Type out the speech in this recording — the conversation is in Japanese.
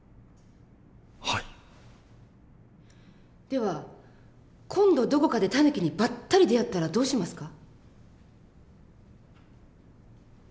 では今度どこかでタヌキにばったり出会ったらどうしますか？